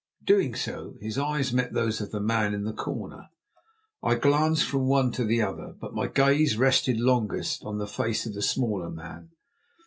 Doing so, his eyes met those of the man in the corner. I glanced from one to the other, but my gaze rested longest on the face of the smaller man.